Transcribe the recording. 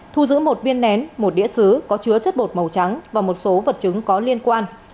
thu giữ một viên nén một đĩa xứ có chứa chất bột màu trắng và một số vật chứng có liên quan